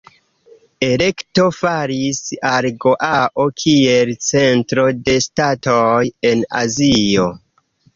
Elekto falis al Goao kiel centro de ŝtatoj en Azio.